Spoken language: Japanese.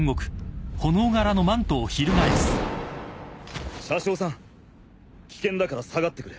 車掌さん危険だから下がってくれ。